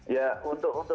ya untuk kemdikbud